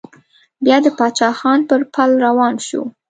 بيا د پاچا خان پر پل روان شو.